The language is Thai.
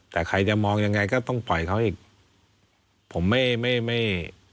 แต่ใครจะมองยังไงก็ต้องปล่อยเขาอีกผมไม่ไม่ไม่